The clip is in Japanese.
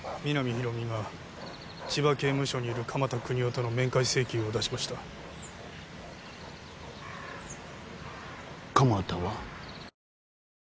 広見が千葉刑務所にいる鎌田國士との面会請求を出しました鎌田は？